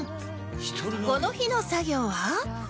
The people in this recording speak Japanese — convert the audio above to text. この日の作業は